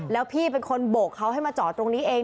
แล้วพี่เป็นคนโบกเขาให้มาจอดตรงนี้เอง